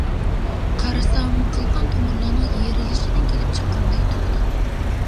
قارىسام قىل قان تومۇرلارنىڭ يېرىلىشىدىن كېلىپ چىققاندەك تۇرىدۇ.